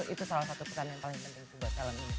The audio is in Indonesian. itu salah satu pesan yang paling penting buat film ini